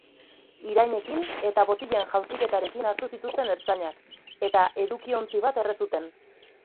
Irainekin eta botilen jaurtiketarekin hartu zituzten ertzainak, eta edukiontzi bat erre zuten.